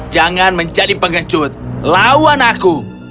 jangan menjadi pengecut lawan aku